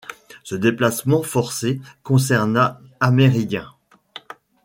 Ce déplacement forcé concerna Amérindiens.